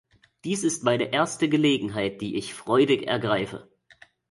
Dies ist meine erste Gelegenheit, die ich freudig ergreife.